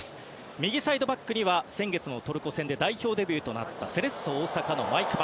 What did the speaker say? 右サイドバックには先月のトルコ戦で代表デビューとなったセレッソ大阪の毎熊。